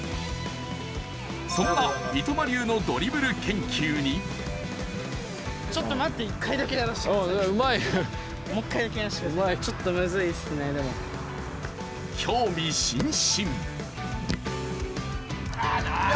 そんな三笘流のドリブル研究に興味津々！